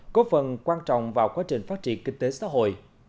có phần quan trọng vào quá trình phát triển kinh tế xã hội